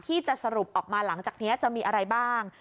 ที่จะสรุปออกมาหลังจากนี้จะมีอะไรบ้าง